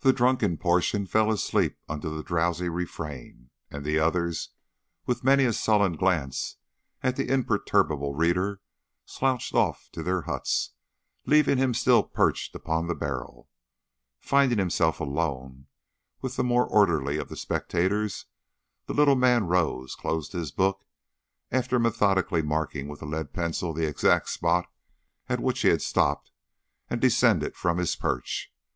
The drunken portion fell asleep under the drowsy refrain, and the others, with many a sullen glance at the imperturbable reader, slouched off to their huts, leaving him still perched upon the barrel. Finding himself alone with the more orderly of the spectators, the little man rose, closed his book, after methodically marking with a lead pencil the exact spot at which he stopped, and descended from his perch.